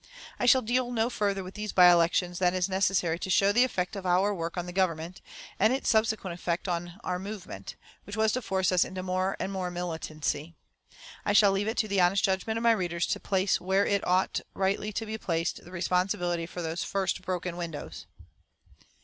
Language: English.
I shall deal no further with these by elections than is necessary to show the effect of our work on the Government, and its subsequent effect on our movement which was to force us into more and more militancy. I shall leave it to the honest judgment of my readers to place where it ought rightly to be placed the responsibility for those first broken windows.